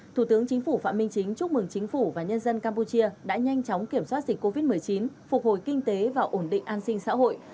thủ tướng chính phủ phạm minh chính chúc mừng chính phủ và nhân dân campuchia đã nhanh chóng kiểm soát dịch covid một mươi chín phục hồi kinh tế và ổn định an sinh xã hội